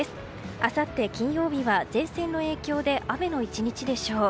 あさって金曜日は前線の影響で雨の１日でしょう。